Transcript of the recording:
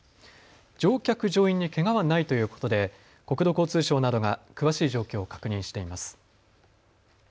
乗客乗員にけがはないということで国土交通省などが詳しい状況を確認しています。